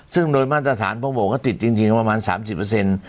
ซึ่งโดยมาตรฐานพวกผมก็ติดจริงประมาณ๓๐